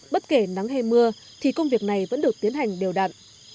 bất kể nắng hay mưa thì công việc này vẫn được tiến hành đều đặn